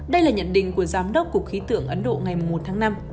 đây là nhận định của giám đốc cục khí tượng ấn độ ngày một tháng năm